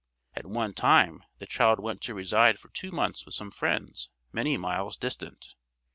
At one time the child went to reside for two months, with some friends many miles distant.